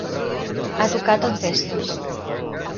Ha tocat en festes.